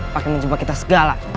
pakai menjebak kita segala